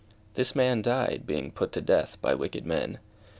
This man died, being put to death by wicked men.